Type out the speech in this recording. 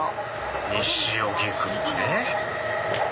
西荻窪ね。